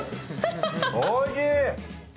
おいしい！